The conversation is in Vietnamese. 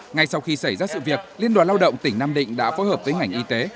ngay sau khi xảy ra sự việc liên đoàn lao động tỉnh nam định đã phối hợp với ngành y tế